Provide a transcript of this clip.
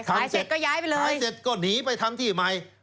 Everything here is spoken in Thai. ทำเสร็จก็ย้ายไปเลยย้ายเสร็จก็หนีไปทำที่ใหม่